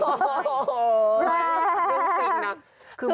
โอ้โหนั่นจริงน่ะ